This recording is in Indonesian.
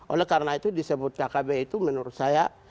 oleh karena itu disebut kkb itu menurut saya